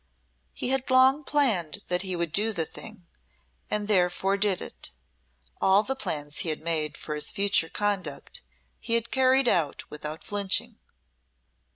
He had long planned that he would do the thing, and therefore did it. All the plans he had made for his future conduct he had carried out without flinching.